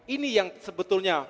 ini yang sebetulnya